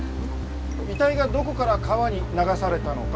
遺体がどこから川に流されたのか捜してるんです。